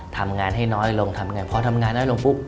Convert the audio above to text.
ทำงานให้น้อยลงทำไงพอทำงานน้อยลงปุ๊บ